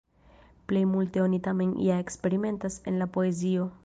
Plej multe oni tamen ja eksperimentas en la poezio.